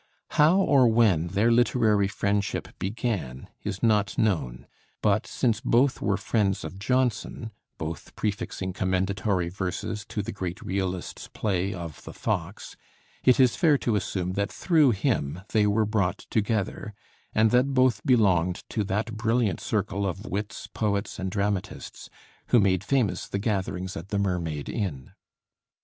How or when their literary friendship began is not known; but since both were friends of Jonson, both prefixing commendatory verses to the great realist's play of 'The Fox,' it is fair to assume that through him they were brought together, and that both belonged to that brilliant circle of wits, poets, and dramatists who made famous the gatherings at the Mermaid Inn.